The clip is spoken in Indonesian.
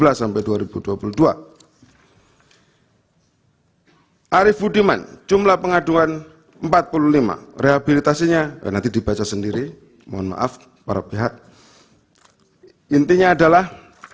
hai arief udiman jumlah pengaduan empat puluh lima rehabilitasinya nanti dibaca sendiri mohon maaf para pihak intinya adalah